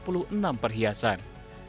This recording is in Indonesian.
berikut adalah perhiasan